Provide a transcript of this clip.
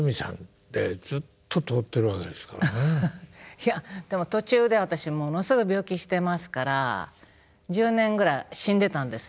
いやでも途中で私ものすごい病気してますから１０年ぐらい死んでたんですね。